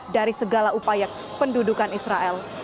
dari segala upaya pendudukan israel